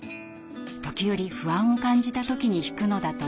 時折不安を感じた時に弾くのだといいます。